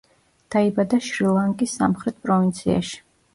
დაიბადა შრი-ლანკის სამხრეთ პროვინციაში.